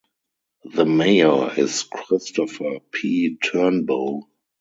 The mayor is Kristofer P. Turnbow.